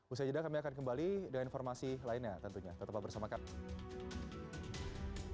usai jeda kami akan kembali dengan informasi lainnya tentunya tetaplah bersama kami